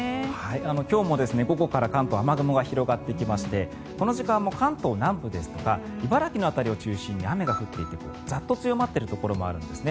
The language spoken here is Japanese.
今日も午後から関東雨雲が広がってきましてこの時間も関東南部ですとか茨城の辺りを中心に雨が降っていてザッと強まっているところもあるんですね。